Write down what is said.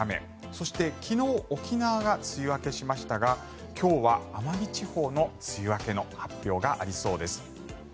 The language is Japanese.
そして昨日沖縄が梅雨明けしましたが今日は奄美地方の梅雨明けの発表がありそうです。